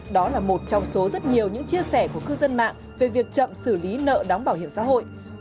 đó là một trong số rất nhiều những chia sẻ của cư dân mạng về việc chậm xử lý nợ đóng bảo hiểm xã hội